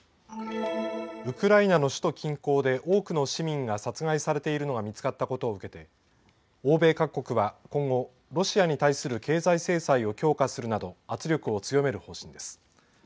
ウクライナの首都近郊で多くの市民が殺害されているのが見つかったことを受けて欧米各国は今後、ロシアに対する経済制裁を強化するなど圧力を強める方針です。